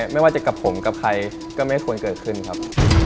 ไม่ว่าจะกับผมกับใครก็ไม่ควรเกิดขึ้นครับ